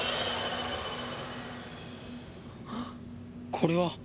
これは。